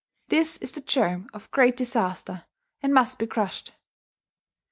This is the germ of great disaster, and must be crushed.....